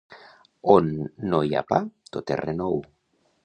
On no hi ha pa, tot és renou.